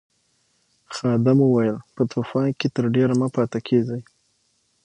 خادم وویل په طوفان کې تر ډېره مه پاتې کیږئ.